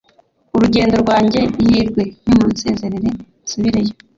urugendo rwanjye ihirwe nimunsezerere nsubireyo